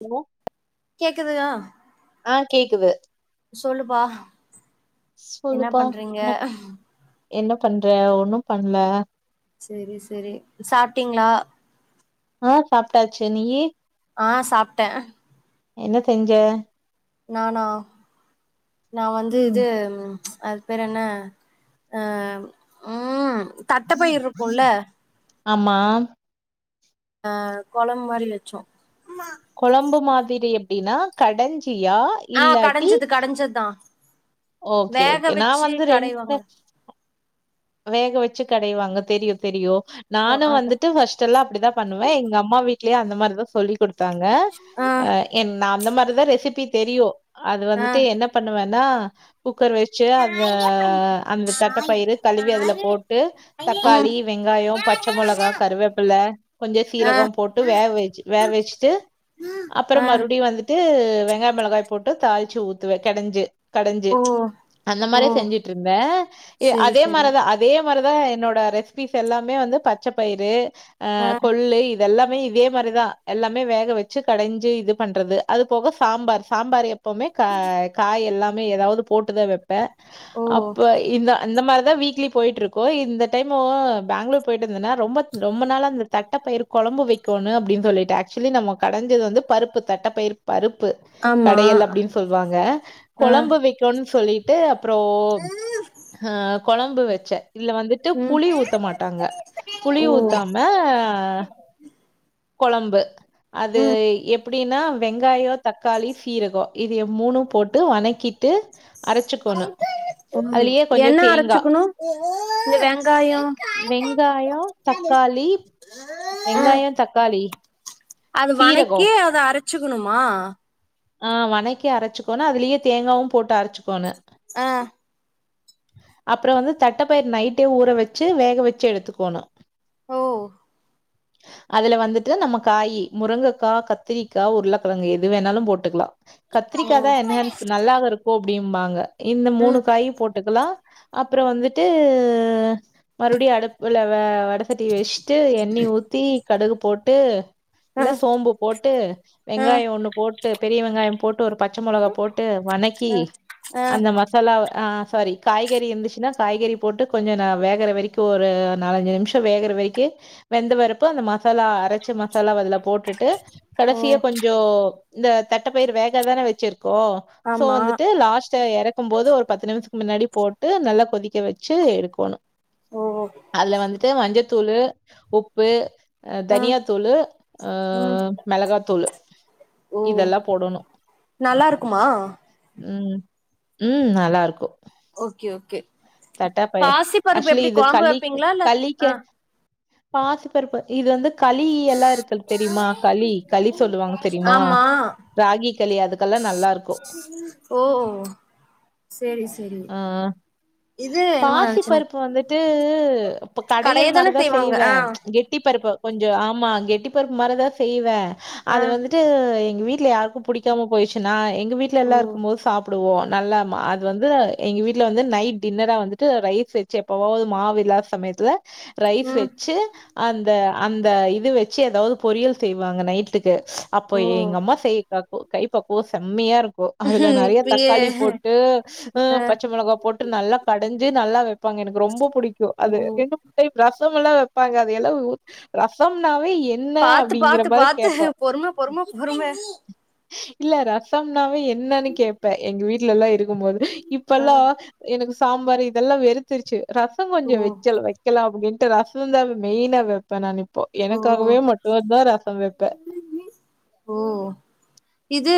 Hello கேக்குதா ஆ கேக்குது சொல்லுபா என்ன சொல்லுப்பா பண்றீங்க என்ன என்ன பண்ற ஒண்ணு பண்ல செரி செரி சாப்ட்டீங்ளா ஆ சாப்ட்டாச்சு நீயி ஆ சாப்ட்டே என்ன செஞ்ச நானா நா வந்து ம் இது அ பேரென்ன அ ம் தட்டப்பயிர் இருக்குல்ல ஆமா ஆ கொழம்பு மாரி வெச்சோ கொழம்பு மாதிரி அப்டினா கடஞ்சியா இல்லாட்டி முசத்தா ஓகே ஓகே நா வந்து ரெண்டு கடைவாங்கள வேக வச்சு கடயுவாங்க தெரியு தெரியு ஓ நானு அதா வந்துட்டு ஃபஸ்ட் மிச்செல்லா அப்டிதா பண்ணுவே எங்க அம்மா வீட்லயு அந்த மாரிதா சொல்லிக் குடுத்தாங்க ஆ அ எ நா அந்த மாரிதா ரெசிபி தெரியு அது ஆ வந்துட்டு என்ன பண்ணுவேனா குக்கர் வச்சு அந்த அந்த தட்ட பயிறு கழுவி அதுல போட்டு ம் தக்காளி வெங்காயோ பச்ச மொளகா கருவேப்பில கொஞ்சோ ஆ சீரகோ போட்டு வேக வச்சு வேக வச்சுட்டு அப்றோ ஆ மறுபடியு வந்துட்டு வெங்காய மெளகாய போட்டு தாளிச்சு ஊத்துவே கடெஞ்சு கடெஞ்சு ஓ அந்த ஓ மாரியே செஞ்சுட்டு இருந்தே செரி அதே செரி மாரிதா அதே மாரிதா என்னோட ரெசிபிஸ் எல்லாமே வந்து பச்ச பயிறு ஆ கொள்ளு இதெல்லாமே இதே மாரி தா எல்லாமே வேக வச்சு கடெஞ்சு இது பண்றது அது போக சாம்பார் சாம்பார் எப் எப்போமே கா காய் எல்லாமே ஏதாவது போட்டுதா வெப்பே ஓ அப்ப இந்த இந்த மாரி தா வீக்லி போயிட்டு இருக்கூ இந்த டைம்மு பேங்ளூர் போயிட்டு வந்தேனா ரொம்ப ரொம்ப நாளா அந்த தட்டப்பயிரு கொழம்பு வெக்கோணு அப்டினு சொல்லிட்டே ஆக்சுவலி நம்ம கடஞ்சது வந்து பருப்பு தட்டப்பயிறு பருப்பு ஆமா கடையல் அப்டினு சொல்லுவாங்க ஆ கொழம்பு வெக்கோணுனு சொல்லி ட்டு அப்றோ ஹ கொழம்பு வச்சே இதுல வந்து டு ம் புளி ஊத்த மாட்டாங்க புளி ஓ ஊத்தாம கொழம்பு அது ம் எப்டினா வெங்காயோ தக்காளி சீரகோ இதைய மூணு போட்டு வணக்கிட்டு அரச்சுக்கோணு ம் அதுலயே கொஞ்சொ என்ன தேங்கா அரச்சுக்கணு இந்த வெங்காயோ ஆ வெங்காயோ தக்காளி அது வணக்கி சீரகம் அத அரச்சுக்கணுமா ஆ வணக்கி அரச்சுக்கோணு அதுலயே தேங்காவு போட்டு அரச்சுக்கோணு ஆ அப்றோ வந்து தட்டப்பயிர் நைட்டே ஊற வச்சு வேக வச்சி எடுத்துக்கோணு ஓ அதுல வந்துட்டு நம்ம காயீ முருங்கக்கா கத்திரிக்கா உருளக்கெழங்கு எது வேணாலு போட்டுக்லா கத்ரிக்காதா என்ஹேன்ஸ் ப நல்லாவ இருக்கு அப்டிம்பாங்க இந்த மூணு ம் காயுப் டுக்கலா அப்பறொ வந்துட்டூ மறுடியு அடுப்புல வெ வடசட்டிய வச்ட்டு எண்ணெய ஊத்தி கடுகு போட்டு ஆ இல்ல சோம்பு போட்டு ஆ வெங்காயோ ஒண்ணு போட்டு பெரிய வெங்காயம் போட்டு ஒரு பச்ச மொளகா போட்டு வணக்கி ஆ ஆ அந்த மசாலாவ ஆஹ் சாரி காய்கறி இருந்துச்சுனா காய்கறி போட்டு கொஞ்சொ ந வேகற வரைக்கு ஒரு நாலஞ்சு நிமிஷோ வேகற வரைக்கி வெந்தவரப்பு அந்த மசாலா அரச்ச மசாலாவ அதுல போட்டுட்டு ஓ கடைசியா கொஞ்சோ இந்த தட்டப்பயிரு வேகதானே வச்சிருக்கோ சோ ஆமா வந்துட்டு லாஸ்ட்ட எறக்கும் போது ஒரு பத்து நிம்ஷ் மின்னாடி போட்டு நல்லா கொதிக்க வச்சி எடுக்கோணு ஓ அதுல வந்துட்டு மஞ்சத்தூளு உப்பு அ ஆ தனியா தூளு ஆ ம் மெளகாத்தூளு இதெல்லா போடணூ மா உம் நல்லா இருக்கு ஓகே ஓகே தட்டாப்பயே பாசி பருப்பு ஆக்சுலி எப்டி இது கொழம்பு கலிக் வைப்பீங்களா இல்ல கலீக்கூ ஆ பாசிப்பருப்பு இதுலந்து களீ எல்லா இருக்கல் தெரியுமா களி களி சொல்லுவாங்க தெரியுமா ஆமா ராகிக்களி அதுக்கெல்லா நல்லா இருக்கு ஓ சேரி செரி ஆ பாசி பருப்பு வந்துட்டூ இப்ப கடைய கடையல் தான மாரிதா செய்வாங்க செய்வே ஆ கெட்டி பருப்பு கொஞ்சொ ஆமா கெட்டி பருப்பு மாரிதா செய்யிவே ஆ அது வந்துட்டு எங்க வீட்ல யாருக்கு புடிக்காம போயிச்சு நா எங்க வீட்ல ஓ எல்லா இருக்கும் போது சாப்டுவோ நல்ல ம அது வந்து எங்க வீட்ல வந்து நைட் டின்னரா வந்துட்டு ரைஸ் வச்சு எப்பவாவது மாவில்லாத சமயத்துல ரைஸ் ம் வச்சு அந்த அந்த இது வச்சி ஏதாவது பொரியல் செய்வாங்க நைட்டுக் கு அப்போ ஓ எங்க அம்மா செய் காக்கு கைப்பக்குவோ செம்மையா இருக் கு அதுல நெறைய இப்பயே தக்காளி போட்டு ம் ஆ பச்ச மெளகா போட் டு நல்லா கடஞ்சு நல்லா வெப்பாங்க எனக்கு ரொம்ப புடிக்கு ஓ அது டைம் ரசமெல்லா வைப்பாங்க அது எல்லா உ ரசம்னாவே எ பாத்து பாத்து பாத்து பொறும பொறும பொறும இல்ல ரசம்னாவே என்னனு கேப்பே எங்க வீட்லலா இருக்கும் போது ஆ இப்பல்லா எனக்கு சாம்பார் இதல்லாம் வெறுத்துடுச்சு ரசம் ஓ கொஞ்சம் வெச்சல் வை வைக்கலாம் அப்டின்ட்டு ரசம் தா மெயினா வப்பேன் நா இப்போ ஓ எனக்காகவே மட்டும்தா ரசம் வப்பே ஓ இது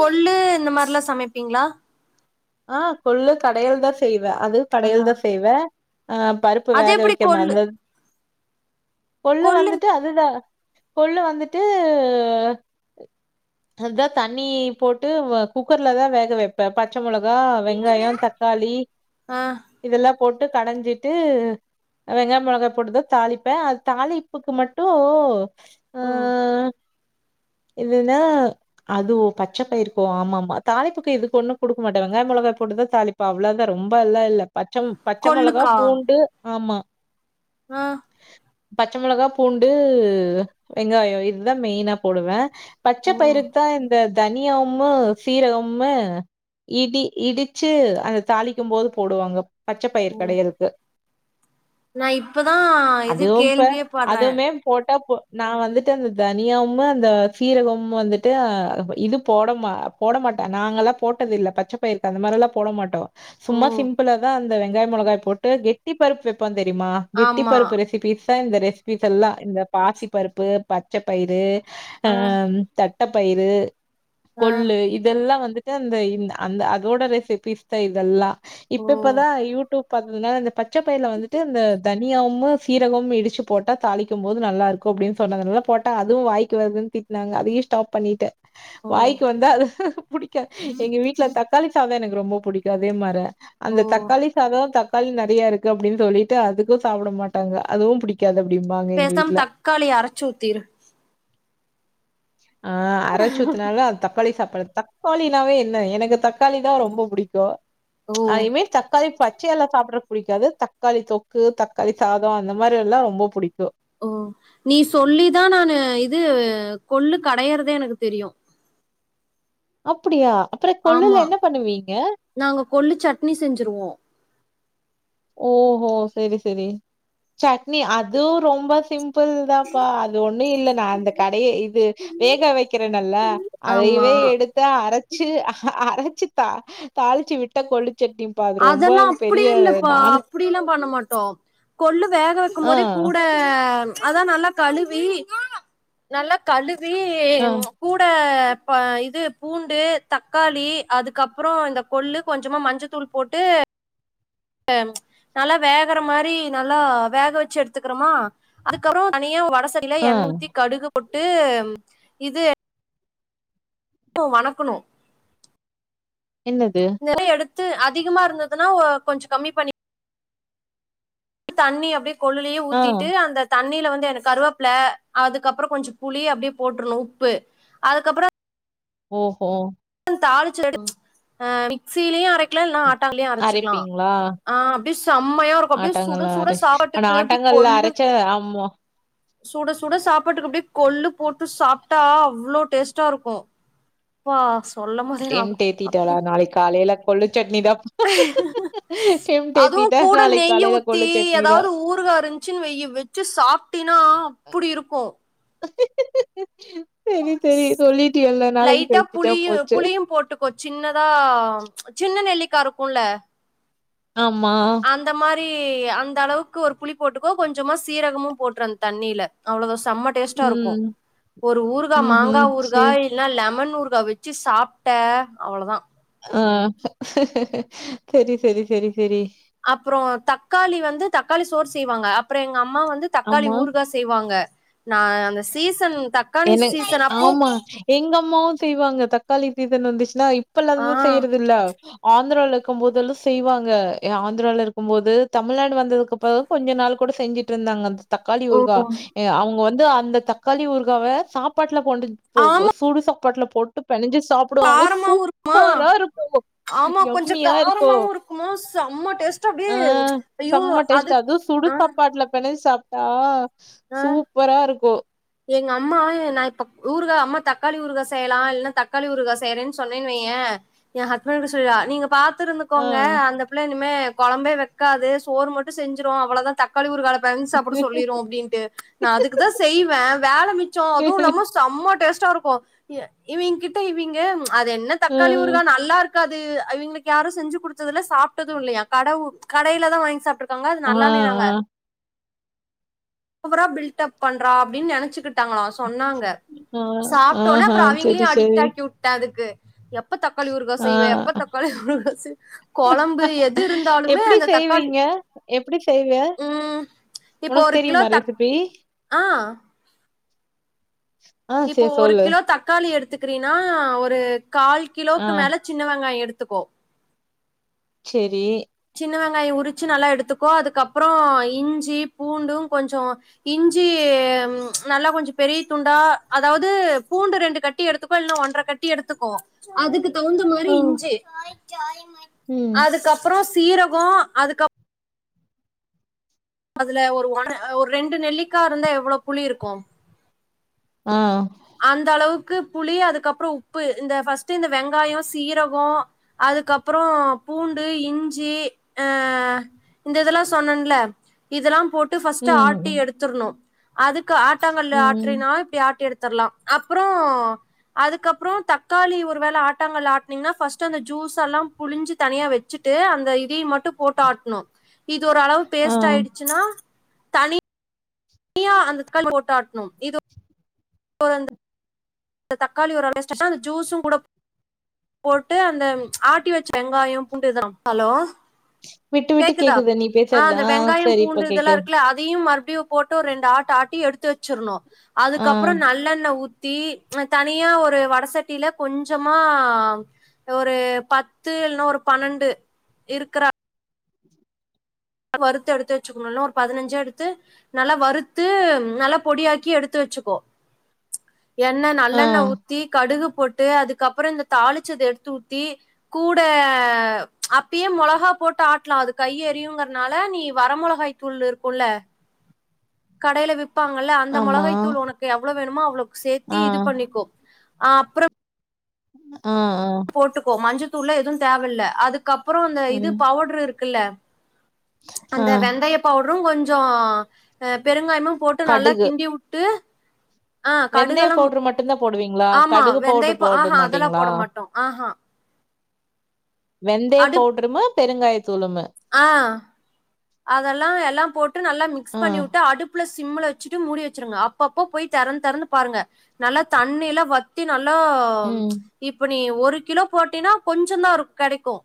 கொள்ளு இந்த மாரிலாம் சமப்பீங்களா ஆ கொள்ளு கடையல் தா செய்வேன் அது அதா கடையல் தா செய்வே ஆ பருப்பு அது வேக எப்டி வைக்க கொள்ளு மறந்தது கொள்ளு வந்துட்டு அதுதான் கொல்லு வந்துட்டு அதா தண்ணி போட்டு குக்கர்ல தான் வேக வைப்பே பச்ச மெளக க்க வெங்காயம் தக்காளி ஆ இதெல்லாம் போட்டு கடஞ்சிட்டு வெங்காய் மொளகா போட்டுதா தாளிப்பேன் அது தாளிப்புக்கு மட்டு ஆ ஓ இதுன்னா அது பச்ச பயிருக்கோ ஆமா ஆமா தாலிப்புக்கு இதுக்கு ஒண்ணு குடுக் மாட்டே வெங்காய மொளகாய் போட்டுதான் தாலிப்பா அவ்வளவுதான் ரொம்ப எல்லா இல்ல பச்ச பச்ச மொளகா கொள்ளுக்கா பூண்டு ஆமா ஆ பச்ச மெளகா பூண்டு வெங்காயம் இதுதா மெயினா போடுவே பச்ச ஓ பயிறுக்குதான் இந்த தனியாவும்மு சீரகம்மு இடி இடிச்சு அந்த தாளிக்கும் போது போடுவாங்க பச்ச பயிறு கடையர்த்துக்கு நா இப்பதா இது அதுவும் இப்ப கேள்வியே பாட்றே அதுவுமே போட்டா போ நா வந்துட்டு அந்த தனியாவும்மு அந்த சீரகம்மு வந்துட்டு இது போட அ போட மாட்டோ நாங்க எல்லாம் போட்டது இல்ல பச்சப்பயிறு அந்த மாரி எல்லா போட மாட்டோம் ஓ சும்மா சிம்பிளா தா வெங்காய் மொளகாய் போட்டு கெட்டி பருப்பு வப்போம் தெரியுமா கெட்டி ஆமா பருப்பு ரெசிபிஸ் இந்த ரெசிபிஸ் எல்லா இந்த பாசிபருப்பு பச்சப்பயிறு ஆ தட்டப்பயிறு ஆ கொள்ளு இதெல்லாம் வந்து இந்த அந்த அந்த அதோட ரெசிபிஸ் தான் இதல்லாம் ஓ இப்ப இப்பதா யூடியூப் பாத்ததுனால இந்த பச்சபயிர்ல வந்துட்டு இந்த தனியாவுமும் சீரகமும் இடிச்சு போட்டா தாளிக்கும் போது நல்லா இருக்கும் அப்டின்னு சொன்னதுனால போட்டா அதுவும் வாய்க்கு வருதுன்னு திட்னாங்கன்னு அதையும் ஸ்டாப் பண்ணிட்டே ஓ வாய்க்கு வந்தா அது புடிக்காது எங்க வீட்ல தக்காளி சாதம் எனக்கு ரொம்ப புடிக்கும் அதே மாரே ஓ அந்த தக்காளி சாதம் தக்காளி நறைய இருக்கு அப்டின்னு சொல்லிட்டு அதுக்கும் சாப்பிட மாட்டாங்க அதுவும் புடிக் கக்காது அப்டின்பாங்க எங்க பேசாம வீட்ல தக்காளி அரச்சு ஊத்திரு அ அரச்சூத்தினாலும் தக்காளி சாப்பாடு தக்காளி என்ன எனக்கு தக்காளி தா ரொம்ப புடிக்கும் ஓ அதுவுமே தக்காளி பச்ச எல்லாம் சாப் புடிக்காது தக்காளி தொக்கு தக்காளி சாதம் அந்த மாரி எல்லா ரொம்ப புடிக்கும் ஓ நீ சொல்லிதா நானு இது கொள்ளு கடையறதே எனக்கு தெரியும் அப்டியா அப்பறம் ஆமா கொள்ளுல என்ன பண்ணுவீங்க நாங்க கொள்ளு சட்னி செஞ்சுருவோம் ஓ ஹோ செரி செரி சட்னி அதுவு ரொம்ப சிம் பிள் தாபா அது ஒண்ணு இல்ல நா அந்த கடைய இது வேக வக்கிறேன்ல்ல ஆமா அதையவே எடுத்து அரச்சு அரச்சு த தாளிச்சு விட்ட கொள்ளுச்சட்னி அப்ப அது ரொம்ப பெரிய வே அப்டில்லாம் பண்ண மாட்டோம் கொள்ளு வேக வக்கும் ஆ, போதே கூட அதா நல்லா கழுவி நல்லா கழுவி ஆ, கூட ப இது பூண்டு தக்காளி அதுக்கப்பறம் இந்த கொள்ளு கொஞ்சமா மஞ்ச தூள் போட்டு நல்லா வேகற மாரி நல்லா வேக வச்சு எடுத்துக்கிறோமா அதுக்கப்பறம் தனியா வடசட்டியில ஆ. எண்ணெ ஊத்தி கடுகு போட்டு இது இப்ப வணக்கணோ என்னது இதெல்லா எடுத்து அதிகமா இருந்ததுன்னா கொஞ்சோ கம்மி பண்ணி தண்ணிய அப்டியே கொள்ளுலேயே ஆ. ஊத்திட்டு அந்த தண்ணியில வந்து எனக் கருவேப்பல அதுக்கப்புறம் கொஞ்சம் புளி அப்டியே போட்ரூணு உப்பு அதுக்கப்றோ ஓகோ தாளிச் அடிச்சி அ மிக்சிலியு அரை ல்லா ம். ஆட்டாங்கல்லையு அரச்சுக்கலா அரைப்பீங்களா? அப்டியே செம்மையா இருக்கு அப்டியே சுட ஆட்டாங்கல்ல சுட அரச் சாப் ஆனா ஆட்டங்கல்ல அரச்ச ஆமா சுட சுட சாப்பாட்டுக்கு அப்டியே கொள்ளு போட்டு சாப்டா அவ்ளோ டேஸ்ட்டா இருக்கு பாஸ்ட் எம்ட் டேதிடாளா நாளைக்கு காலையில கொள்ளு சட்னிதா டெம்ட் அதுவு ஏத்திட்டா கூட நாளைக்கு நெய் காலையில ஊத்தி கொள்ளு சட்னிதா ஏதாவது ஊறுகா இருந்துச்சுன்னு வெய்யி வெச் ச்சு சாப்டினா அப்டி இருக்கு செரி செரி சொல்லிட்டியல்ல நாளைக்கு செஞ்சுட்டா போச்சு ஒரு சின்னதா சின்ன நெல்லிக்கா இருக்கும்ல ஆமா அந்த மாரி அந்த அளவுக்கு ஒரு புளி போட்டுக்கோ கொஞ்சமா சீரகமு போட்று அந்த தண்ணியில அவ்ளோ தா செம டேஸ்ட்டா இருக்கு ம் ஒரு ஊறுகா மாங்கா ம்ஹ்ம் ஊறுகா சரி இல் என்னா லெமன் ஊறுகா வெச்சு சாப்டே அவ்ளோதா ஆ செரி செரி செரி செரி அப்புறம் தக்காளி வந்து தக்காளி சோறு செய்வாங்க அப்பறம் எங்க அம்மா வந்து தக்காளி ஆமா ஊருகா செ ய்வாங்க நா அந்த சீசன் தக்காளி சீசன் அப்போ எங்கம்மாவு செய்வாங்க தக்காளி சீசன் வந்துச்சுன்னா இப்ப ஆ இல்லாதுலா செய்யறது இல்ல ஆந்திராவில இருக்கும் போதெல்லா செய்வாங்க ஆந்திராவில இருக்கும் போது தமிழ்நாடு வந்ததுக்கு அப்பறோ கொஞ்ச நாள் கூட செஞ்சிட் இருந்தாங்க அந் தக்காளி ஓ ஊர்கா அவுங்க வந்து அந்த தக்காளி ஊறுக்காவ சாப்பாட்ல போண்டுச் போ போ ஆமா சுடு சாப்பாட்ல போட்டு பெனஞ்சு சாப் ப்பிடுவாங்க காரமாவு இருக்குமா சூப்பரா இருக்கு ஆமா கொஞ்சோ எம்மியா இருக்கு காரமாவு இருக்குமா செம்ம டேஸ்ட் அப்டியே ஆ செம்ம டேஸ்ட் அது சுடு ஆ சாப்பாட்டுல பெணஞ்சு சாப் ஆ ஆ சூப்பரா இருக் எங்க அம்மா நா இப்ப ஊறுகா அம்மா தக்காளி ஊறுகா செய்யலா இல்லன்னா தக்காளி ஊறுகா செய்றேன்னு சொன்னேனு வையே ஏ ஹஸ்பன்ட் கிட்ட சொல்லிருவாங்க நீங்க பாத்து இருந் ஆ. துக்கோங்க அந்த பிள்ள இனிமே கொழம்பே வெக்காது சோறு மட்டு செஞ்சிரு அவ்ளோதா தக் காளி ஊறுகால பெசஞ்சு சாப்ட சொல்லிரு அப்படின்டு நா அதுக்குதா செய்வே வேல மிச்சோ அதுவும் இல்லாம செம்ம டேஸ்ட்டா இருக்கு இ இவங்க கிட்ட இவங்க அது என்ன தக்காளி ம். ஊறுகா நல்லா இருக் காது இவங்களுக்கு யாரும் செஞ்சு குடுத்ததுல்ல சாப்டது இல்லையா கட ஊ கடையில தா வாங்கி சாப்டு இருக்காங்க அது ஆ, ஆ, நல்லாலனாங்க ஓவரா பில்டப் பண்றா அப்டின் நெனச்சுகிட் டாங்ளா சொன்னாங்க ஆ, சாப்டோன ஆஹா. அப்பறோ சரி, அவிங்கலியு அடிக்ட் சரி. ஆக்கி வுட்டே அதுக்கு எப்ப தக்காளி ஊறுகா ஆ. செய்வ எப்ப தக்காளி ஊறுகா செய்வ கொழம்பு எது இருந்தாலுமே அந்த தக்காளி எப்டி செய்வே ம் இப்போ உனக்கு ஒரு கிலோ தெரியுமா தக் ரெசிபி ஆ ஆ இப்போ சரி ஒரு சொல்லு. கிலோ தக்காளி எடுத்துக்கிறீனா ஒரு கால் ஆ கிலோக்கு மேல சின்ன வெங்காய எடுத்துக்கோ செரி சின்ன வெங்காய உரிச்சு நல்லா எடுத்துக்கோ அதுக்கப்றோ இஞ்சி பூண்டும் கொஞ்சோ இஞ்சி ம் நல்லா கொஞ்ச பெரிய துண்டா அதாவது பூண்டு ரெண்டு கட் டி எடுத்துக்கோ இல்லன ஒன்ற கட்டி எடுத்துக்கோ அதுக்கு தவுந்த மாரி ஓ! இஞ்சி ம். அதுக்கு அப் ப்றோ சீரககோ அதுக்கப் அதுல ஒரு ஒன ஒரு ரெண்டு நெல்லிக்கா இருந்தா எவ்ளோ புளி இருக்கு ஆ அந்தளவுக்கு புளி அதுக்கப்றோ உப்பு இந்த ஃபர்ஸ்ட்டு இந்த வெங்காயோ சீரகோ அதுக்கப்றோ பூண்டு இஞ்சி அ இந்த இதல்லா சொன்னன்ல இதெல்லாம் போட்டு ஃபஸ்ட்டு ம், ஆட்டி ம், எடுத்துருணு அதுக்கு ஆட்டாங்கல்லு ம். ஆற்றினா இப்டி ஆட்டி எடுத் துற்லா அப்றோ அதுக்கப்றோ தக்காளி ஒரு வேல ஆட்டாங்கல்ல ஆட்னீங்கன்னா ஃபர்ஸ்ட்டு அந்த ஜூஸ்சல்லா புழிஞ்சு தனியா வச்சுட்டு அந்த இதியு மட்டு போட்டு ஆட்ணு இது ஒரு அளவு ஆ. பேஸ்ட்டு ஆயிடுச்சுன்னா தனி னியா அந்த கல் போட்டு ஆட்ணு இது ஒரு [unintelligible] இந்த தக்காளி ஒரு [unintelligible] அந்த ஜூஸும் கூட போட்டு அந்த ஆட்டி வச்ச வெங்காய பூண்டு தா ஹலோ விட்டு விட்டு கேக்குதா கேக்குது நீ ஆ பேசுறது. அந்த வெங்காயம் சரி இப்ப பூண்டு இதல்லா கேக்குது. இருக்குல்ல அதையும் மறுபுடியு போட்டு ஒர் ரெண்டு ஆட் ஆட்டி எடுத்து வச்சிருணு ஆ, அதுக்கப்றோ நல்லெண்ண ஊத்தி தனியா ஒரு வடசட்டில கொஞ்சமா ஒரு பத்து இலன்னா ஒரு பன்னெண்டு இருக்கற வருத்து எடுத்து வச்சக்கணு இல்லனா ஒரு பதினஞ்சா எடுத்து நல்லா வறுத்து நல்லா பொடியாக்கி எடுத்து வச்சுக்கோ எண்ண ஆ. நல்லெண்ண ஊத்தி கடுகு போட்டு அதுக்கப்றோ இந்த தாளிச்சத எடுத்து ஊத்தி கூட அப்பயே மொளகா போட்டு ஆட்லா அது கைய் எரியுங்கற னால நீ வர மொளகாய் தூள் இருக்குல்ல கடையில விப்பாங்கல்ல அந்த ஆமா. மொளகாய் தூளு ஒனக்கு எவ்ளோ வேணுமோ அவளோக்கு சேத்தி ஆ, இது பண்ணிக்கோ ஆ அப்றம் ஆ ஆ போட்டுக்கோ மஞ்சத்தூள்லா எது தேவ இல்ல அதுக்கப்றோ அந்த இது ம். பவுட்ரு இருக்குல்ல ஆ. அந்த வெந்தய பவுட்ரு கொஞ்சோ பெருங்காயமு போட் ட்டு நல்லா கடுகு. கிண்டி வுட்டு ஆ வெந்தய கடுகளம் பவுடர் மட்டும் தான் போடுவீங்களா? ஆமா கடுகு பவுடர் வெந்தயப்ப போட ஆஹா அதல்லா மாட்டீங்களா? போட மாட்டோ ஆஹா வெந்தய அடுப் பவுட்ரும பெருங்காய தூளும ஆ அதெல்லா எல்லா போட்டு நல்லா மிக்ஸ் ஆ. பண்ணி வுட்டு அடுப் ப்புல சிம்ல வச்சுட்டு மூடி வச்சிருங்க அப்பப்ப போய் தெறந் தெறந்து பாருங்க நல்லா தண்ணில்ல வத் த்தி நல்லா ம். இப்ப நீ ஒரு கிலோ போட்டினா கொஞ்சந் தா இருக் கெடைக்கு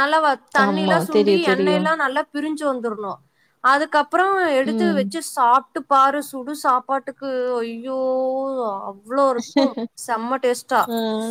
நல்ல வ ஆமா. தண்ணில்லா சுண்டி தெரியும், தெரியும். எண்ணெய்லா நல்லா பிரிஞ்சு வந்துரனு அதுக்கப்பறோ எடுத்து ம். வச்சு சாப்பிட்டு பாரு சுடு சாப்பாட்டுக்கு அய்யோ அப்ப அவ்ளோ இருக்கு செம்ம டேஸ்ட்டா ஆ.